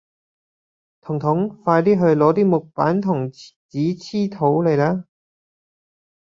彤彤快啲去攞啲木板同紙黏土嚟啦